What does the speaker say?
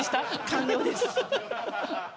完了です。